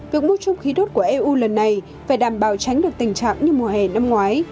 việc mua chung khí đốt của eu lần này phải đảm bảo tránh được tình trạng như mùa hè năm ngoái